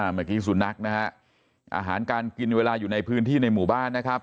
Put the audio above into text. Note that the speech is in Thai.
เมื่อกี้สุนัขนะฮะอาหารการกินเวลาอยู่ในพื้นที่ในหมู่บ้านนะครับ